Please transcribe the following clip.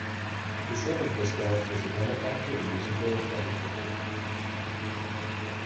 The seventh Viscount was a benefactor and musical antiquarian.